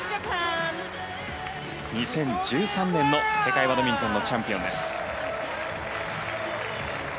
２０１３年の世界バドミントンのチャンピオンです。